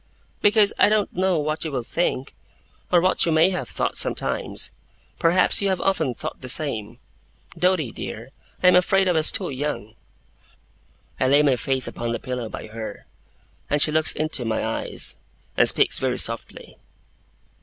'Because I don't know what you will think, or what you may have thought sometimes. Perhaps you have often thought the same. Doady, dear, I am afraid I was too young.' I lay my face upon the pillow by her, and she looks into my eyes, and speaks very softly.